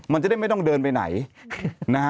มันจะได้ไม่ต้องเดินไปไหนนะฮะ